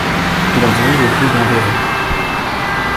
Il entendit le bruit d’un verrou.